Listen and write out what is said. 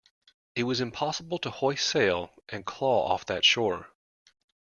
It was impossible to hoist sail and claw off that shore.